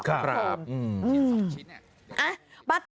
ครับอืมอืมอ่ะบัตร